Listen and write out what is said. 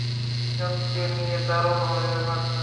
দুইজনকে নিয়ে দারুণ হবে ব্যাপারটা।